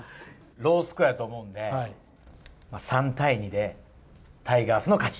ロースコアやと思うんで、３対２でタイガースの勝ち。